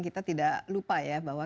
kita tidak lupa ya